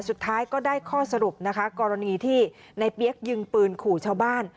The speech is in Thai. สุดท้ายก็ได้ข้อสรุปนะคะกรณีที่ในเปี๊ยกยิงปืนขู่ชาวบ้าน